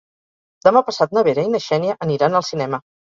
Demà passat na Vera i na Xènia aniran al cinema.